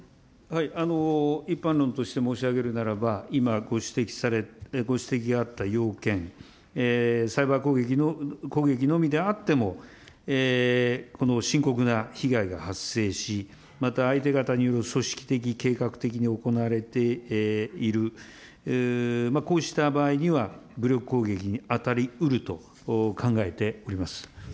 一般論として申し上げるならば、今ご指摘があった要件、サイバー攻撃のみであっても、深刻な被害が発生し、また相手方による組織的、計画的に行われているこうした場合には、武力攻撃に当たりうると考えております。